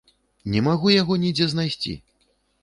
Не магу яго нідзе знайсці!